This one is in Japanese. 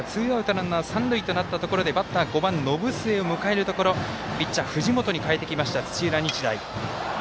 ランナー、三塁となったところでバッター、５番延末を迎えるところピッチャー藤本に代えてきました土浦日大。